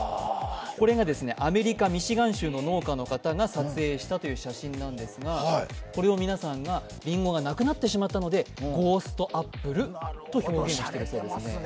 これがアメリカ・ミシガン州の農家の方が撮影したという写真なんですがこれを皆さんが、りんごがなくなってしまったのでゴーストアップルと表現しているそうです。